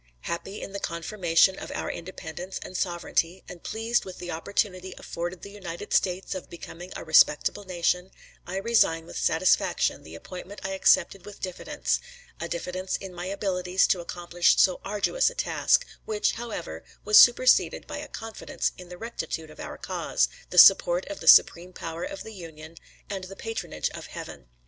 Happy in the confirmation of our independence and sovereignity and pleased with the opportunity afforded the United States of becoming a respectable nation, I resign with satisfaction the appointment I accepted with diffidence; a diffidence in my abilities to accomplish so arduous a task, which, however, was superseded by a confidence in the rectitude of our cause, the support of the supreme power of the Union, and the patronage of Heaven.